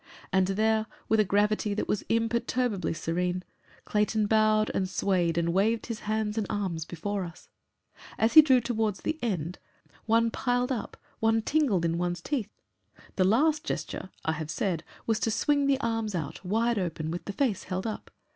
And there, with a gravity that was imperturbably serene, Clayton bowed and swayed and waved his hands and arms before us. As he drew towards the end one piled up, one tingled in one's teeth. The last gesture, I have said, was to swing the arms out wide open, with the face held up.